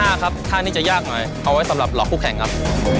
ท่าครับท่านี้จะยากหน่อยเอาไว้สำหรับหลอกคู่แข่งครับ